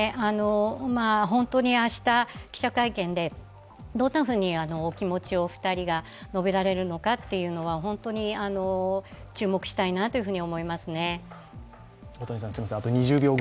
本当に明日、記者会見でどんなふうにお気持ちを２人が述べられるのかというのは、本当に注目したいなと思いますね。